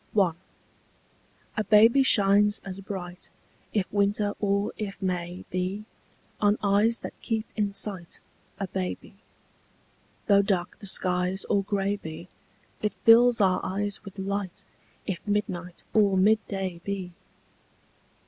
I. A BABY shines as bright If winter or if May be On eyes that keep in sight A baby. Though dark the skies or grey be, It fills our eyes with light, If midnight or midday be.